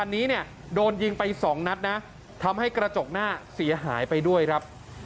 อันนี้เนี่ยโดนยิงไปสองนัดนะทำให้กระจกหน้าเสียหายไปด้วยครับ